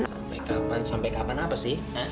sampai kapan sampai kapan apa sih